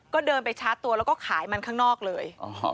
ก็เดินไปชาร์จตัวแล้วก็ขายมันข้างนอกเลย